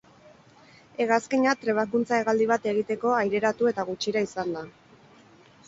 Hegazkina trebakuntza hegaldi bat egiteko aireratu eta gutxira izan da.